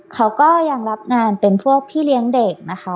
เขาก็ยังรับงานเป็นพวกพี่เลี้ยงเด็กนะคะ